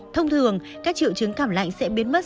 thông thường các triệu chứng cảm lạnh sẽ biến mất